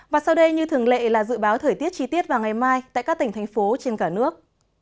và sau đây như thường lệ là dự báo thời tiết chi tiết vào ngày mai tại các tỉnh thành phố trên cả nước